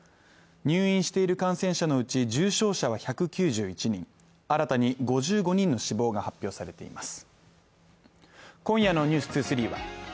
入院している感染者のうち重症者は１９１人新たに５５人の死亡が発表されています